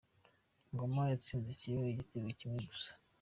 Ngoma yatsinze Kibeho igitego kimwe ku busa.